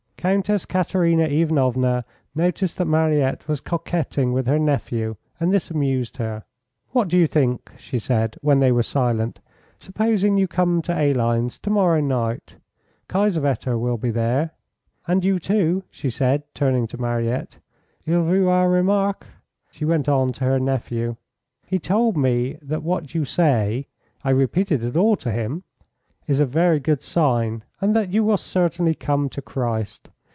Countess Katerina Ivanovna noticed that Mariette was coquetting with her nephew, and this amused her. "What do you think?" she said, when they were silent. "Supposing you come to Aline's to morrow night. Kiesewetter will be there. And you, too," she said, turning to Mariette. "Il vous a remarque," she went on to her nephew. "He told me that what you say (I repeated it all to him) is a very good sign, and that you will certainly come to Christ.